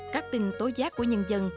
các tin tối giác của nhân dân